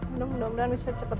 mudah mudahan bisa cepet